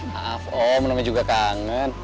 maaf oh namanya juga kangen